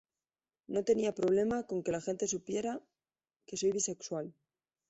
No tenía problema con que la gente supiera que soy bisexual.